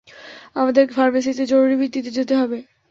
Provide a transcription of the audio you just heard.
আমাদের ফার্মেসীতে জরুরী ভিত্তিতে যেতে হবে।